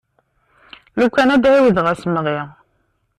Lukan ad d-ɛiwdeɣ asemɣi.